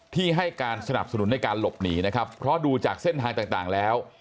ที่ให้การสนับสนุนในการหลบหนีนะครับเพราะดูจากเส้นทางต่างแล้ว